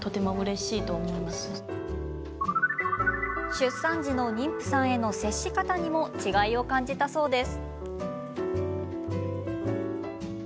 出産時の妊婦さんへの接し方にも違いを感じたそうです。